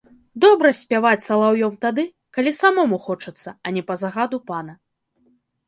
Добра спяваць салаўём тады, калі самому хочацца, а не па загаду пана.